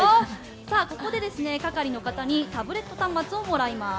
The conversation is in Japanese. さあ、ここで係の方にタブレット端末をもらいます。